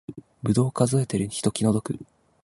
ぶどう数えてる人気の毒